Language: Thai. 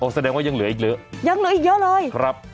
แสดงว่ายังเหลืออีกเยอะยังเหลืออีกเยอะเลยครับ